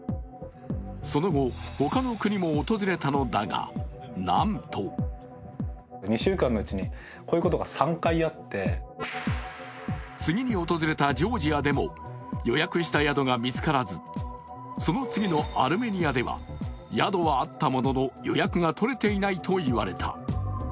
その後、他の国も訪れたのだが、なんと次に訪れたジョージアでも予約した宿が見つからずその次のアルメニアでは宿はあったものの予約が取れていないと言われた。